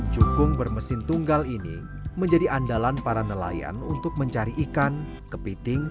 jukung bermesin tunggal ini menjadi andalan para nelayan untuk mencari ikan untuk menghidupkan desa kedonganan